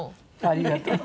ありがとう。